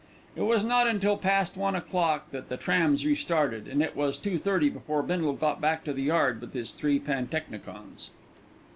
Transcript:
It was not until past one o'clock that the trams restarted, and it was 2.30 before Bindle got back to the yard with his three pantechnicons.